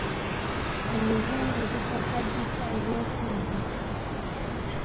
Emizimbo gikosa gitya eby'enfuna byaffe.